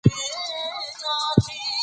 امانتداري د یو ښه انسان صفت دی.